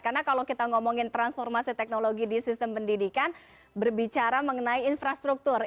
karena kalau kita ngomongin transformasi teknologi di sistem pendidikan berbicara mengenai infrastruktur